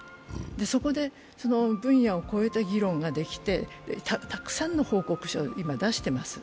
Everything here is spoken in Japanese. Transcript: そこで、その分野を超えた議論ができてたくさんの報告書を今出しています。